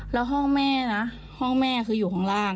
แล้วห้องแม่นะห้องแม่คืออยู่ข้างล่าง